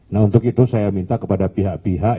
nah untuk itu saya minta kepada pihak pihak